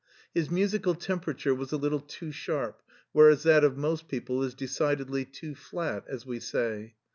His musical temperature was a little too sharp, whereas that of most people is decidedly too flat, as we say.